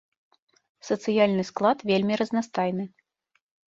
Сацыяльны склад вельмі разнастайны.